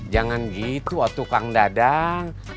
jangan gitu waktu kang dadang